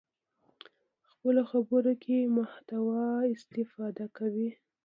خپلو خبرو کې محتوا استفاده کوي.